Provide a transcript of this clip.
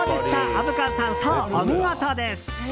虻川さん、お見事です。